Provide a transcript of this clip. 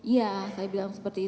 iya saya bilang seperti itu